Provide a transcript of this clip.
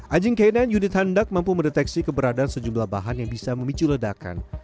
anjing k sembilan unit hendak mampu mendeteksi keberadaan sejumlah bahan yang bisa memicu ledakan